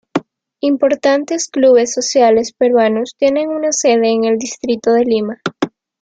Importantes clubes sociales peruanos tienen una sede en el distrito de Lima.